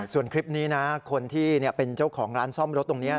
ส่วนคลิปนี้นะคนที่เป็นเจ้าของร้านซ่อมรถตรงนี้